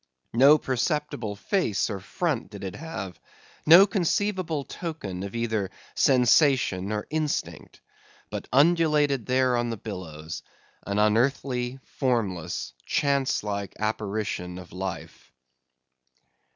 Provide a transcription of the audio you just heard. No perceptible face or front did it have; no conceivable token of either sensation or instinct; but undulated there on the billows, an unearthly, formless, chance like apparition of life.